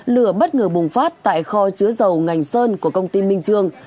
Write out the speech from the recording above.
lửa bất ngờ bùng phát tại kho chứa dầu ngành sơn của công ty minh trương